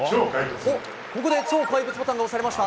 ここで超怪物ボタンが押されました。